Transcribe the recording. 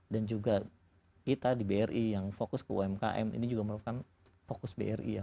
dan juga kita di bri yang fokus ke umkm ini juga merupakan fokus bri ya